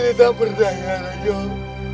tidak perlu dikenal